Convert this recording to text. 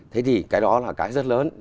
thế thì cái đó là cái rất lớn